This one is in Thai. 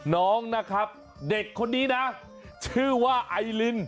น้องนะครับเด็กคนนี้นะชื่อว่าไอลิน